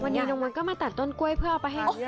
วันนี้น้องมดก็มาตัดต้นกล้วยเพื่อเอาไปให้